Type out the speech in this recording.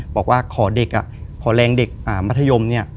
บอกว่าขอเด็กขอแรงเด็กมัธยมเนี่ย